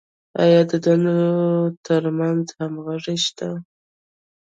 آیا د دندو تر منځ همغږي شته؟